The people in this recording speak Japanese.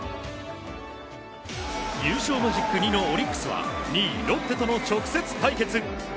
優勝マジック２のオリックスは２位、ロッテとの直接対決。